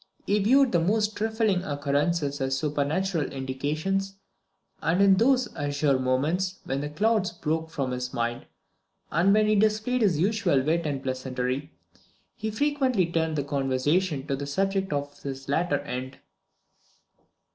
He viewed the most trifling occurrences as supernatural indications; and in those azure moments when the clouds broke from his mind, and when he displayed his usual wit and pleasantry, he frequently turned the conversation to the subject of his latter end.